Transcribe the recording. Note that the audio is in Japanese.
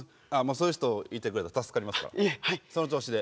そういう人いてくれたら助かりますからその調子で。